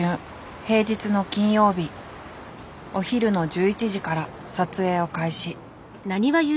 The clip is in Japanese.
平日の金曜日お昼の１１時から撮影を開始。